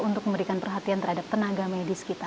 untuk memberikan perhatian terhadap tenaga medis kita